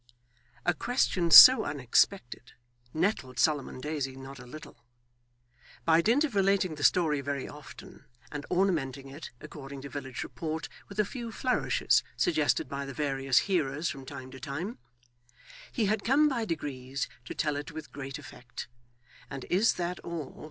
A question so unexpected, nettled Solomon Daisy not a little. By dint of relating the story very often, and ornamenting it (according to village report) with a few flourishes suggested by the various hearers from time to time, he had come by degrees to tell it with great effect; and 'Is that all?